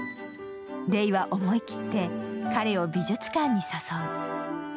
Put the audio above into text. レイは思い切って彼を美術館に誘う。